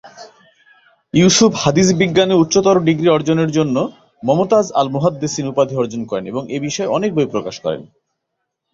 ইউসুফ হাদীস বিজ্ঞানে উচ্চতর ডিগ্রি অর্জনের জন্য "মমতাজ আল-মুহাদ্দেসিন" উপাধি অর্জন করেন এবং এ বিষয়ে অনেক বই প্রকাশ করেন।